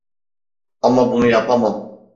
Ama bunu yapamam.